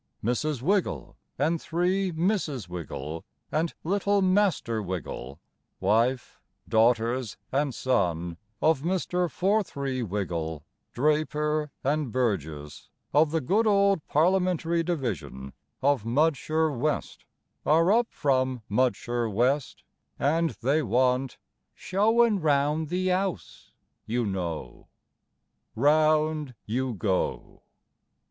Mrs. Wiggle, the three Misses Wiggle, and little Master Wiggle, Wife, daughters, and son of Mr. Forthree Wiggle, Draper, and burgess of the good old Parliamentary Division Of Mudsher West, Are up from Mudsher West, And they want showin' round the 'Ouse, you know. Round you go.